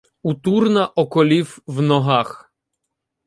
У Турна околів в ногах.